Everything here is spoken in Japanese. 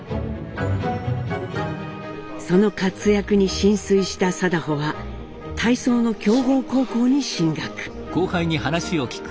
その活躍に心酔した禎穗は体操の強豪高校に進学。